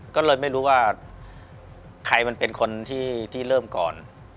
ก็เลยไม่รู้ว่าใครมันเป็นคนที่เริ่มก่อน